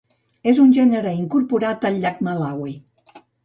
És un gènere incorporat al llac Malawi.